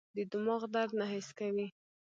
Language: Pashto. دماغ درد نه حس کوي.